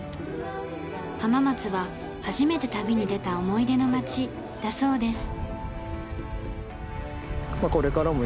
浜松は初めて旅に出た思い出の街だそうです。